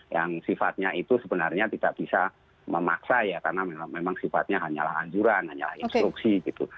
yang sifatnya itu sebenarnya tidak bisa memaksa ya karena memang sifatnya hanyalah anjuran hanyalah instruksi gitu